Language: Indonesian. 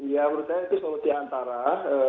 ya menurut saya itu solusi antara